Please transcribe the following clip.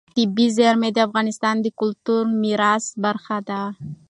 طبیعي زیرمې د افغانستان د کلتوري میراث برخه ده.